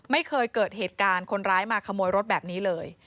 ไม่เคยเกิดเหตุการณ์คนร้ายมาขโมยรถแบบนี้เลย